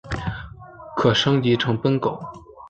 可升级成奔狗。